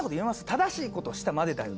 「正しいことをしたまでだよ」。